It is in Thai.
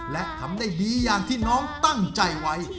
และทำได้ดีอย่างที่น้องตั้งใจไว้